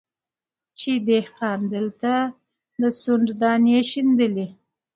چي دهقان دلته د سونډ دانې شیندلې